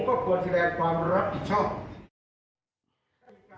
ก็ควรแสดงความรับผิดชอบ